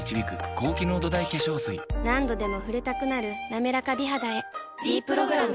何度でも触れたくなる「なめらか美肌」へ「ｄプログラム」